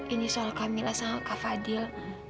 ini soal camillah sama kak fadil